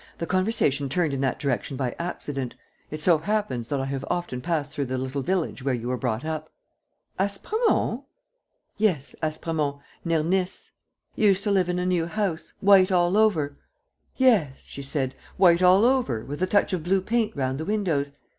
The conversation turned in that direction by accident. It so happens that I have often passed through the little village where you were brought up." "Aspremont?" "Yes, Aspremont, near Nice. You used to live in a new house, white all over. ..." "Yes," she said, "white all over, with a touch of blue paint round the windows.